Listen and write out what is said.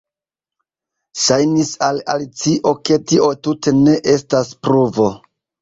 Ŝajnis al Alicio ke tio tute ne estas pruvo.